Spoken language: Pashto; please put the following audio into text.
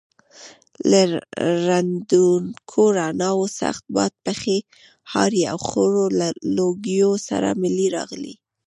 له ړندونکو رڼاوو، سخت باد، پښې هارې او خړو لوګیو سره ملې راغلې.